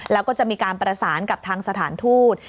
แล้วก็จะมีการประสานกับทางสถานทูต